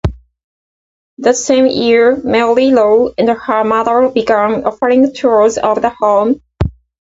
That same year, Mary Lou and her mother began offering tours of the home.